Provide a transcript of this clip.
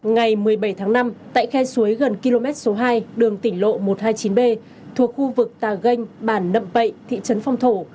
ngày một mươi bảy tháng năm tại khe suối gần km số hai đường tỉnh lộ một trăm hai mươi chín b thuộc khu vực tà ganh bản nậm pậy thị trấn phong thổ